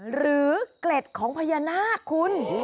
เกล็ดของพญานาคคุณ